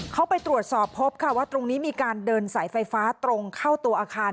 เขาไปตรวจสอบพบค่ะว่าตรงนี้มีการเดินสายไฟฟ้าตรงเข้าตัวอาคาร